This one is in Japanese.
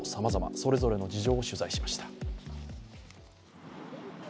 それぞれの事情を取材しました。